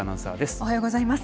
おはようございます。